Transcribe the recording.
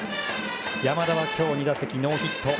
山田は今日２打席ノーヒット。